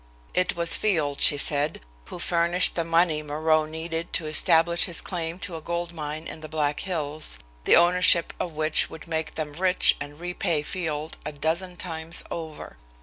It was Field, she said, who furnished the money Moreau needed to establish his claim to a gold mine in the Black Hills, the ownership of which would make them rich and repay Field a dozen times over.